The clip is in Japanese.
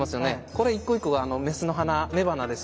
これ一個一個が雌の花雌花です。